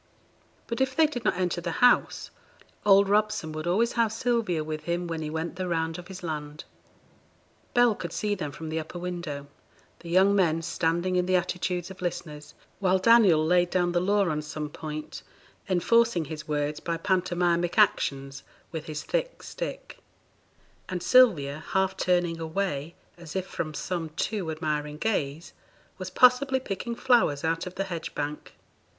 But if they did not enter the house, old Robson would always have Sylvia with him when he went the round of his land. Bell could see them from the upper window: the young men standing in the attitudes of listeners, while Daniel laid down the law on some point, enforcing his words by pantomimic actions with his thick stick; and Sylvia, half turning away as if from some too admiring gaze, was possibly picking flowers out of the hedge bank.